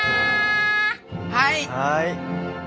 はい！